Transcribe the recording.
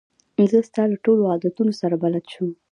زه ستا له ټولو عادتو سره بلده شوم.